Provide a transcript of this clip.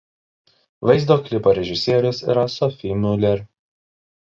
Vaizdo klipo režisierius yra Sophie Muller.